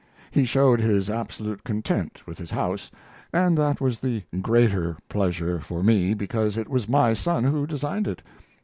He showed his absolute content with his house, and that was the greater pleasure for me because it was my son who designed it.